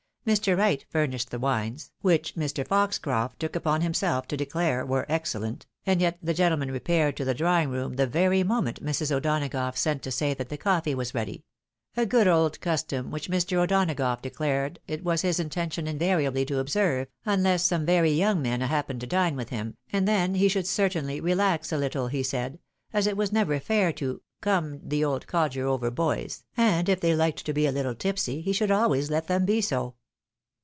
Mr. Wright furnished the wines, which Mr. Foxcroft took upon himself to declare were excellent, and yet the gentleman repaired to the drawing room the very moment Mrs. O'Donagough sent to say that the coffee was ready ; a good old custom which Mr. O'Dona gough declared it was his intention invariably to observe, unless some very young men happened to dine with him, and then he should certainly relax a little, he said, as it was never fair to " come the old codger over boys, and if they liked to be a Uttle tipsy, he should always let them be so.''